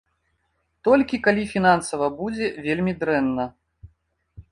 Толькі калі фінансава будзе вельмі дрэнна.